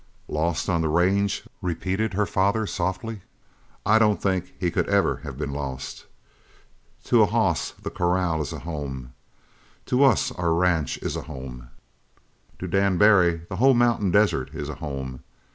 "Lost on the range?" repeated her father softly. "I don't think he could ever have been lost. To a hoss the corral is a home. To us our ranch is a home. To Dan Barry the whole mountain desert is a home!